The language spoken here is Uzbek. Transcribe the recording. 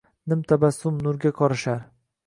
Nim tabassum nurga qorishar.